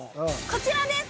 こちらです！